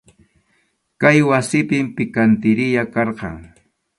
Kay wasipim pikantiriya karqan.